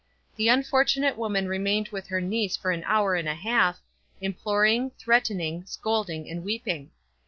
The unfortunate woman remained with her niece for an hour and a half, imploring, threatening, scolding, and weeping.